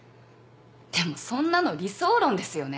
でもそんなの理想論ですよね？